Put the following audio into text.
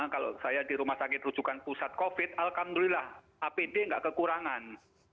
kalau saya di rumah sakit rujukan pusat covid alhamdulillah apd nggak kekurangan